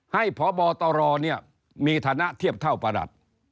พบตรมีฐานะเทียบเท่าประหลัด